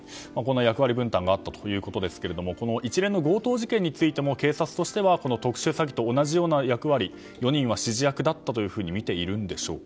役割分担があったということですけれどもこの一連の強盗事件についても警察としては特殊詐欺と同じような役割４人は指示役だったというふうにみているんでしょうか。